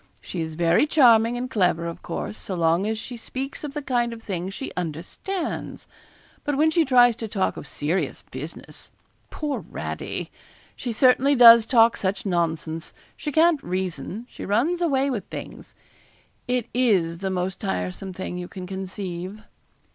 She is very charming and clever, of course, so long as she speaks of the kind of thing she understands. But when she tries to talk of serious business poor Radie! she certainly does talk such nonsense! She can't reason; she runs away with things. It is the most tiresome thing you can conceive.'